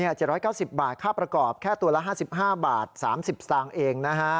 ๗๙๐บาทค่าประกอบแค่ตัวละ๕๕บาท๓๐สตางค์เองนะฮะ